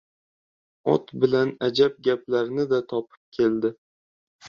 Ot bilan ajab gaplarni-da topib keldi.